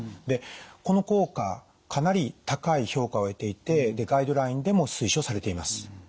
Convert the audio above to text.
でこの効果かなり高い評価を得ていてガイドラインでも推奨されています。